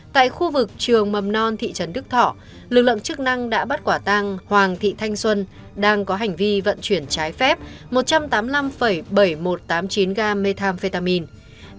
trường mầm non thị trấn đức thọ lực lượng chức năng đã bắt quả tăng hoàng thị thanh xuân đang có hành vi vận chuyển trái phép một trăm tám mươi năm bảy nghìn một trăm tám mươi chín g methamphetamine